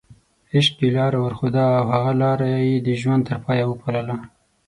عشق یې لاره ورښوده او هغه لاره یې د ژوند تر پایه وپالله.